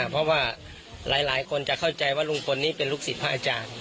เพราะว่าหลายคนจะเข้าใจว่าลุงพลนี้เป็นลูกศิษย์พระอาจารย์